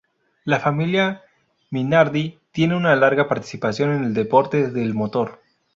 La familia Minardi tiene una larga participación en el deporte del motor.